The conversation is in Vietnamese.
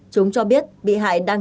chúng cho biết bị hại là một người đàn ông